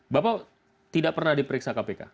bapak tidak pernah diperiksa kpk